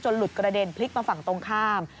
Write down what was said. หลุดกระเด็นพลิกมาฝั่งตรงข้าม